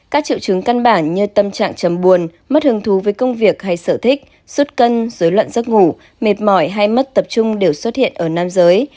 các triệu chứng căn bản như tâm trạng chầm buồn mất hưởng thú với công việc hay sở thích xuất cân dối loạn giấc ngủ mệt mỏi hay mất tập trung đều xuất hiện ở nam giới